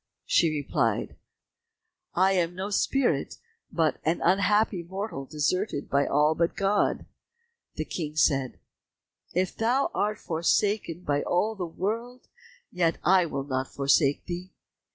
She replied, "I am no spirit, but an unhappy mortal deserted by all but God." The King said, "If thou art forsaken by all the world, yet will I not forsake thee."